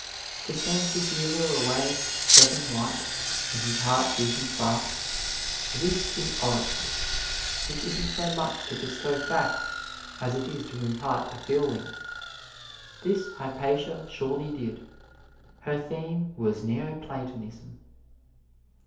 To send the hearer away stepping light, and his heart beating fast this is oratory which isn't so much to bestow facts, as it is to impart a feeling. This Hypatia surely did. Her theme was Neo Platonism.